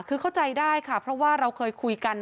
คือเข้าใจได้ค่ะเพราะว่าเราเคยคุยกัน